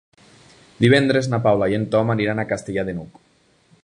Divendres na Paula i en Tom aniran a Castellar de n'Hug.